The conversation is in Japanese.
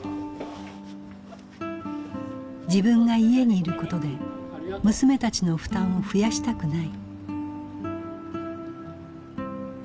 自分が家にいることで娘たちの負担を増やしたくない。